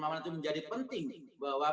momen itu menjadi penting bahwa